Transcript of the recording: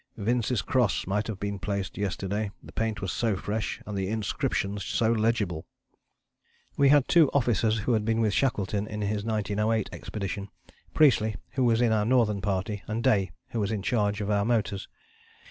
Vince's cross might have been placed yesterday the paint was so fresh and the inscription so legible." We had two officers who had been with Shackleton in his 1908 Expedition Priestley, who was in our Northern Party, and Day, who was in charge of our motors.